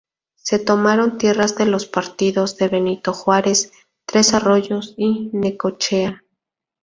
Se tomaron tierras de los partidos de Benito Juárez, Tres Arroyos y Necochea.